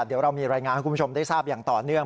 เดี๋ยวเรามีรายงานให้คุณผู้ชมได้ทราบอย่างต่อเนื่อง